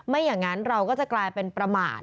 อย่างนั้นเราก็จะกลายเป็นประมาท